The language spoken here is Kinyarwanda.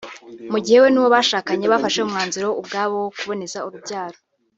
mu gihe we n’uwo bashakanye bafashe umwanzuro ubwabo wo kuboneza urubyaro